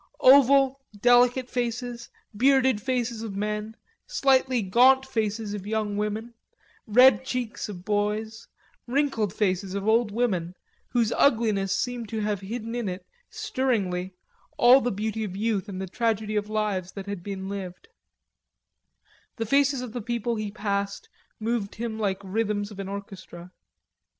Oval, delicate faces, bearded faces of men, slightly gaunt faces of young women, red cheeks of boys, wrinkled faces of old women, whose ugliness seemed to have hidden in it, stirringly, all the beauty of youth and the tragedy of lives that had been lived; the faces of the people he passed moved him like rhythms of an orchestra.